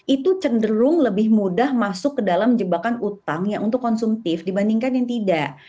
itu cenderung lebih mudah masuk ke dalam jebakan utang yang untuk konsumtif dibandingkan yang tidak